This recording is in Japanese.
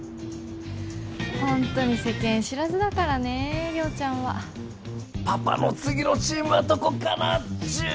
ホントに世間知らずだからね亮ちゃんはパパの次のチームはどこかな１２！